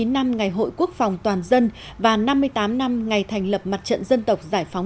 chín mươi năm ngày hội quốc phòng toàn dân và năm mươi tám năm ngày thành lập mặt trận dân tộc giải phóng